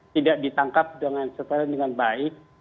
tidak ditangkap dengan baik